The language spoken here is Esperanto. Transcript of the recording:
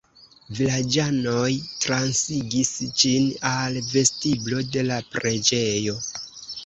Vilaĝanoj transigis ĝin al vestiblo de la preĝejo.